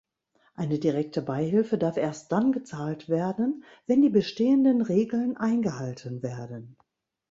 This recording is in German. Eine direkte Beihilfe darf erst dann gezahlt werden, wenn die bestehenden Regeln eingehalten werden.